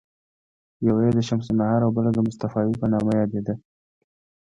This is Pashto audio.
یوه یې د شمس النهار او بله د مصطفاوي په نامه یادېده.